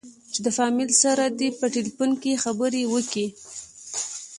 چې د فاميل سره دې په ټېلفون کښې خبرې وکې.